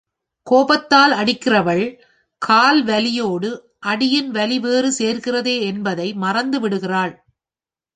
கோபத்தால் அடிக்கிறவள், கால் வலியோடு அடியின் வலி வேறு சேர்கிறதே என்பதை மறந்து விடுகிறாள்.